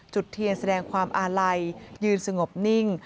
จุดเทียนแสดงความอาลัยยืนสงบนิ่ง